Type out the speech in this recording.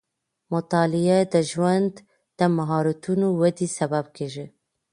مطالعه د ژوند د مهارتونو ودې سبب کېږي.